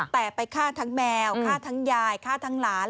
แต่ไปฆ่าทั้งแมวฆ่าทั้งยายฆ่าทั้งหลาน